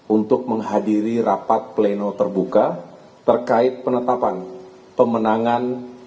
untuk menghadiri rapat pleno terbuka terkait penetapan pemenangan